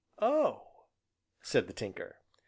"Oh!" said the Tinker.